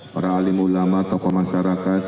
para alim ulama tokoh masyarakat